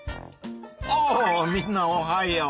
あみんなおはよう！